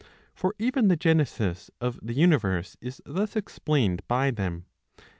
For even the genesis of the universe is thus explained by them.